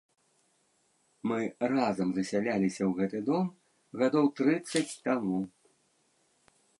Мы разам засяляліся ў гэты дом гадоў трыццаць таму.